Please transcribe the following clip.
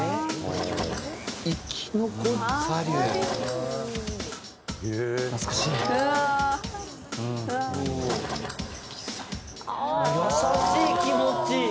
『やさしい気持ち』！